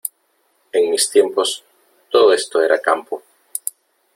En mis tiempos, todo esto era campo.